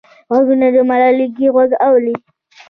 غوږونه د ملایکې غږ اوري